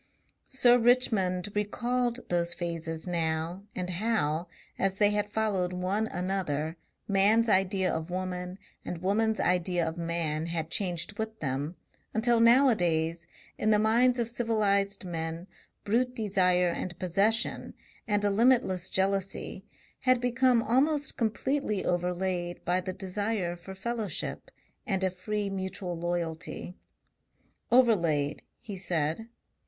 Sir Richmond recalled those phases now, and how, as they had followed one another, man's idea of woman and woman's idea of man had changed with them, until nowadays in the minds of civilized men brute desire and possession and a limitless jealousy had become almost completely overlaid by the desire for fellowship and a free mutual loyalty. "Overlaid," he said.